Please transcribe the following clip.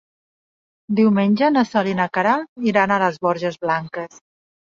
Diumenge na Sol i na Queralt iran a les Borges Blanques.